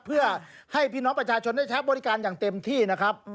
เพื่อให้พี่น้องประชาชนได้ใช้บริการอย่างเต็มที่นะครับ